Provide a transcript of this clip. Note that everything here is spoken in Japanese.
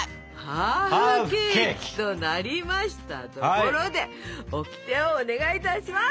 ハーフケーキとなりましたところでオキテをお願いいたします！